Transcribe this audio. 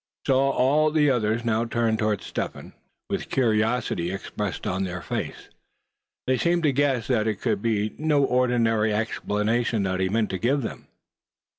So all the others now turned toward Step Hen, with curiosity expressed on their faces; for they seemed to guess that it could be no ordinary explanation that he meant to give them.